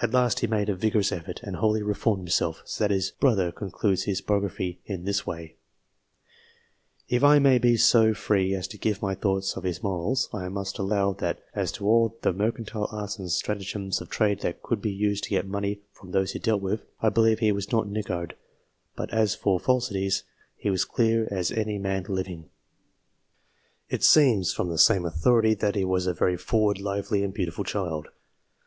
At last he made a vigorous effort, and wholly reformed himself, so that his brother concludes his biography in this way :" If I may be so free as to give my thoughts of his morals, I must allow that, as to all the mercantile arts and stratagems of trade which could be used to get money from those he dealt with, I believe he was no niggard ; but as for falsities ... he was as clear as any man living." It seems, from the same authority, that he was a very forward, lively, and beautiful child.